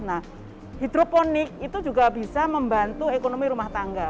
nah hidroponik itu juga bisa membantu ekonomi rumah tangga